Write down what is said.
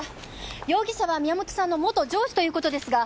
容疑者は宮元さんの元上司という事ですが？